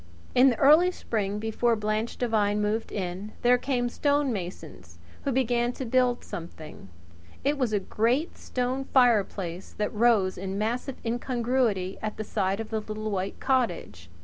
In the early spring, before Blanche Devine moved in, there came stonemasons, who began to build something. It was a great stone fireplace that rose in massive incongruity at the side of the little white cottage.